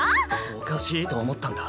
おかしいと思ったんだ。